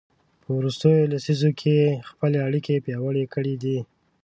په وروستیو لسیزو کې یې خپلې اړیکې پیاوړې کړي دي.